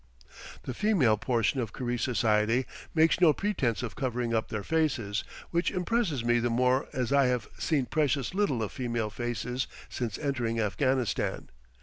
The female portion of Karize society make no pretence of covering up their faces, which impresses me the more as I have seen precious little of female faces since entering Afghanistan.